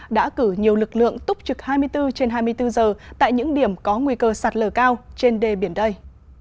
đã cử nhiều lực lượng túc trực hai mươi bốn trên hai mươi bốn giờ tại những điểm có nguy cơ sạt lở cao trên đề biển đây